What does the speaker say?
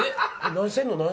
何してんの？